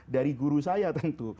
dari guru saya tentu